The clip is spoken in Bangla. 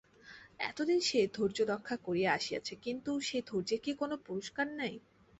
এত দিন সে ধৈর্যরক্ষা করিয়া আসিয়াছে, কিন্তু সে ধের্যের কি কোনো পুরস্কার নাই?